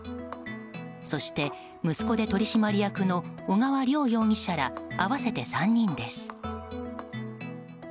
そして息子で取締役の小川良容疑者ら合わせて３人です。